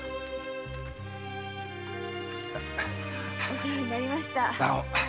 お世話になりました。